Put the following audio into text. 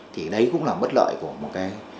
thì đấy cũng là mất lợi của